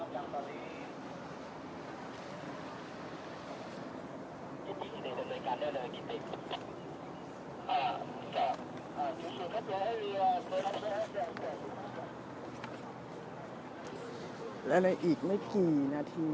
แล้วท้ายกลับไปกับพวกเมรี่